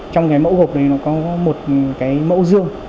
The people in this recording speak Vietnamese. trong cái mẫu gộp này nó có một cái mẫu riêng